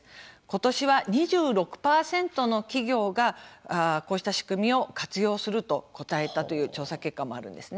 ことしは２６％の企業がこうした仕組みを活用すると答えたという調査結果もあるんですね。